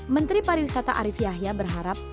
menteri pariwisata arief yahya berharap